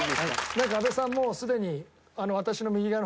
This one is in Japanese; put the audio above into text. なんか阿部さんもうすでに。